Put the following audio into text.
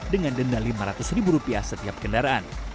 dengan denda lima ratus ribu rupiah setiap kendaraan